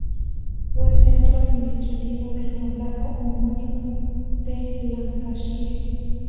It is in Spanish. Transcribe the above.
Fue centro administrativo del condado homónimo de "Lancashire".